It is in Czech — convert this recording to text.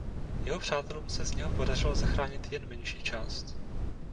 Jeho přátelům se z něho podařilo zachránit jen menší část.